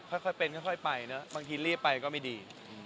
ค่อยเป็นค่อยไปเนอะบางทีรีบไปก็ไม่ดี